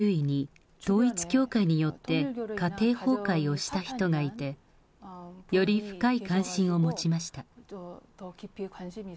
周囲に、統一教会によって家庭崩壊をした人がいて、より深い関心を持ちました。